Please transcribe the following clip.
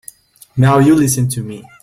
Now you listen to me.